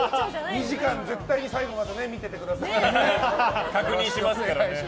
２時間、絶対に最後まで見ててくださいね。